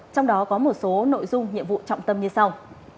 trong đó có một số nội dung nhiệm vụ trọng tâm như sau